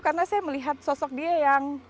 karena saya melihat sosok dia yang